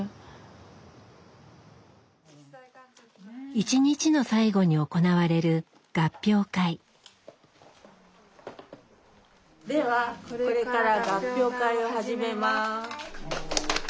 一日の最後に行われるではこれから合評会を始めます。